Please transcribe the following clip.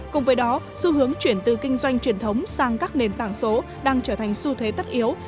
cùng với đó xu hướng chuyển từ kinh doanh truyền thống sang các nền tảng số đang trở thành xu thế tất yếu